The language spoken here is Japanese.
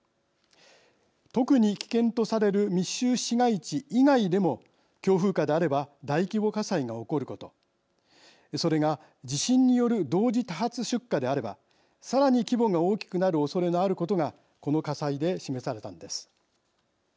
特に危険とされる密集市街地以外でも強風下であれば大規模火災が起こることそれが、地震による同時多発出火であればさらに規模が大きくなるおそれのあることがこの火災で示されたんです。